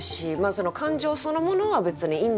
感情そのものは別にいいんだよ